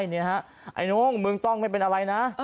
ไอ้นิ้วมึงต้องไม่เป็นอะไรนะ